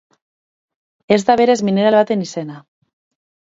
Ez da berez mineral baten izena.